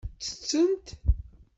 Ttettent.